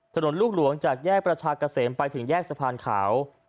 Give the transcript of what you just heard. ลูกหลวงจากแยกประชากะเสมไปถึงแยกสะพานขาว